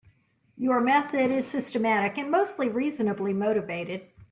Your method is systematic and mostly reasonably motivated.